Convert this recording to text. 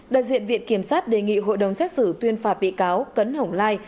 đại diện viện kiểm sát đề nghị hội đồng xét xử tuyên phạt bị cáo cấn hồng lai